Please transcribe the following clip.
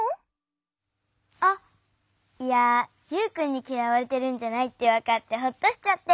あっいやユウくんにきらわれてるんじゃないってわかってホッとしちゃって。